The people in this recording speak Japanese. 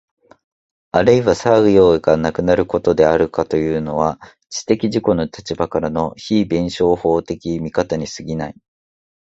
あるいは作用がなくなることであるとかいうのは、知的自己の立場からの非弁証法的見方に過ぎない。